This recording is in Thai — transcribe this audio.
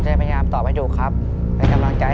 ตัวเลือดที่๓ม้าลายกับนกแก้วมาคอ